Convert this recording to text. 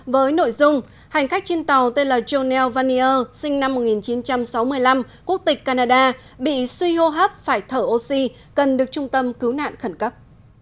với nội dung hành khách trên tàu tên là jonel vanier sinh năm một nghìn chín trăm sáu mươi năm quốc tịch canada bị suy hô hấp phải thở oxy cần được trung tâm cứu nạn khẩn cấp